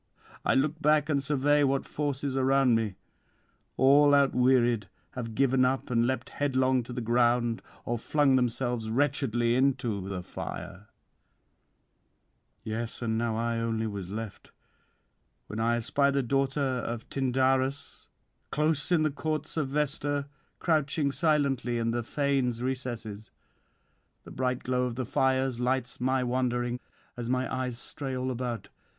I look back [564 596]and survey what force is around me. All, outwearied, have given up and leapt headlong to the ground, or flung themselves wretchedly into the fire: ['Yes, and now I only was left; when I espy the daughter of Tyndarus close in the courts of Vesta, crouching silently in the fane's recesses; the bright glow of the fires lights my wandering, as my eyes stray all about.